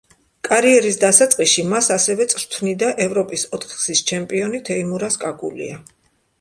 კარიერის დასაწყისში, მას ასევე წვრთნიდა ევროპის ოთხგზის ჩემპიონი თეიმურაზ კაკულია.